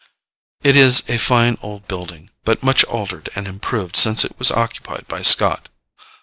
It is a fine old building; but much altered and improved since it was occupied by Scott.